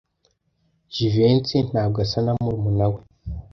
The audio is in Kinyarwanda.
Jivency ntabwo asa na murumuna we.